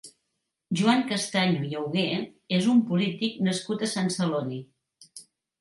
Joan Castaño i Augé és un polític nascut a Sant Celoni.